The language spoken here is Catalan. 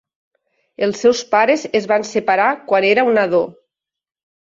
Els seus pares es van separar quan era un nadó.